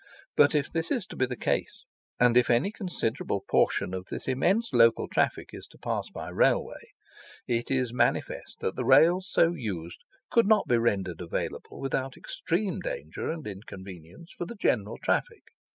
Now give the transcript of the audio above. But if this is to be the case, and if any considerable portion of this immense local traffic is to pass by Railway, it is manifest that the rails so used could not be rendered available without extreme danger and inconvenience for the general traffic.